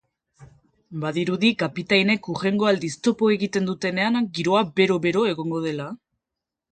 Badirudi kapitainek hurrengo aldiz topo egiten dutenean giroa bero-bero egongo dela.